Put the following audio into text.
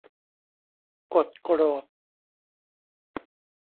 กดโกรธ